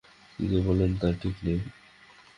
কী যে বলেন তার ঠিক নেই।